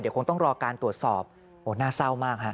เดี๋ยวคงต้องรอการตรวจสอบโหน่าเศร้ามากฮะ